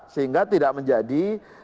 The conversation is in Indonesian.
sehingga tidak menjadi